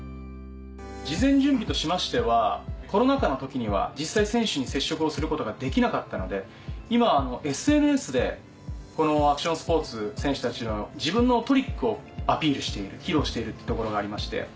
事前準備としましてはコロナ禍の時には実際選手に接触をすることができなかったので今ＳＮＳでこのアクションスポーツ選手たちの自分のトリックをアピールしている披露しているっていうところがありまして。